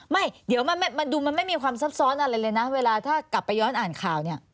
ไม่เดี๋ยวมันดูมันไม่มีความซับซ้อนอะไรเลยนะเวลาถ้ากลับไปย้อนอ่านข่าวเนี่ย